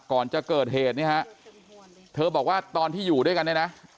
ก่อนจะเกิดเหตุเนี่ยฮะเธอบอกว่าตอนที่อยู่ด้วยกันเนี่ยนะ